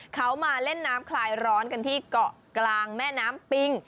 เขามาเล่นน้ำคลายร้อนกันที่เกาะกลางแม่น้ำปิง